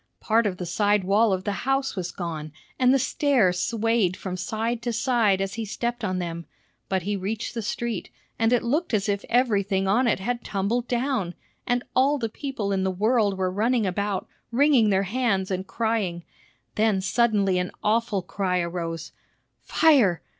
Part of the side wall of the house was gone, and the stairs swayed from side to side as he stepped on them; but he reached the street, and it looked as if everything on it had tumbled down, and all the people in the world were running about, wringing their hands, and crying. Then suddenly an awful cry arose, "Fire!